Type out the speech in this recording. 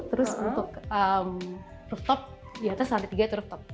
terus untuk rooftop di atas lantai tiga itu rooftop